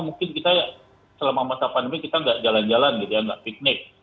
mungkin kita selama masa pandemi kita tidak jalan jalan tidak piknik